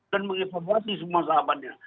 dan mengevaluasi semua sahabatnya